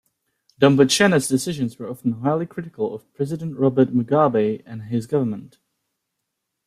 Dumbutshena's decisions were often highly critical of President Robert Mugabe and his government.